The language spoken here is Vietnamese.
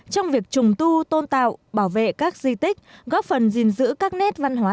trong việc trùng tu tôn tạo bảo vệ các di tích góp phần gìn giữ các nét văn hóa